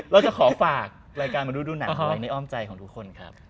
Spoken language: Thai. เราจะขอฝากรายการมาดูหนังไว้ในอ้อมใจของทุกคนครับ